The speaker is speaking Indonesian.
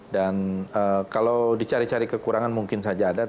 dan kalau dicari cari kekurangan mungkin saja ada